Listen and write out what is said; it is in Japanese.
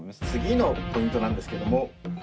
次のポイントなんですけども。